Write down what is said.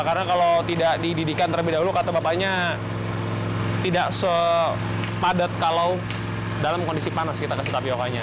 karena kalau tidak dididihkan terlebih dahulu kata bapaknya tidak sepadat kalau dalam kondisi panas kita kasih tapioca nya